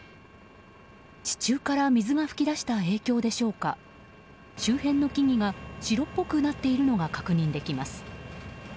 地中から水が噴き出した影響でしょうか周辺の木々が白っぽくなっているのが確認できます。